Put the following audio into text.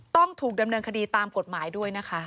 ต้องถูกดำเนินคดีตามกฎหมายด้วยนะคะ